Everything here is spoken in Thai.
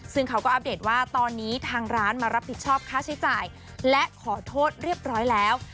ซึ่งเขาก็อัปเดตว่าตอนนี้ทางร้านมารับผิดชอบค่าใช้จ่ายและขอโทษเรียบร้อยแล้ว